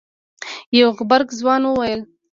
يو غبرګ ځوان وويل.